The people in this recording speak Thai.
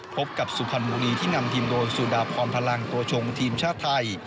พบกับสุพรรณบุรีที่นำทีมโดยสุดาพรพลังตัวชงทีมชาติไทย